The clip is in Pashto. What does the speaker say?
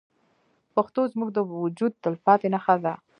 پښتو زموږ د وجود تلپاتې نښه ده.